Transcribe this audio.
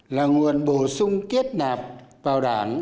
là nguồn bổ sung kết nạp vào đảng